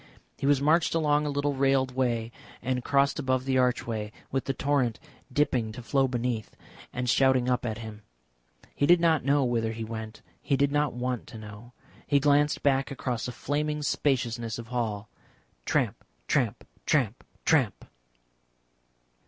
He was marched along a little railed way, and crossed above the archway, with the torrent dipping to flow beneath, and shouting up to him. He did not know whither he went; he did not want to know. He glanced back across a flaming spaciousness of hall. Tramp, tramp, tramp, tramp.